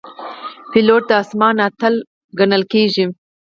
پیلوټ د آسمان اتل ګڼل کېږي.